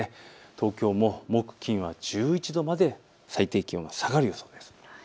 東京も木、金は１１度まで最低気温が下がる予想です。